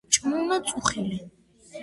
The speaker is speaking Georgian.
ჭმუნვა-წუხილი